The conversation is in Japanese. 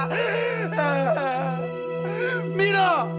見ろ！